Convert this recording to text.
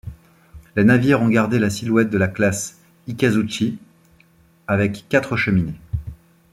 Les navires ont gardé la silhouette de la classe Ikazuchi avec quatre cheminées.